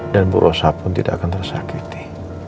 dan burosah pun tidak akan tersakiti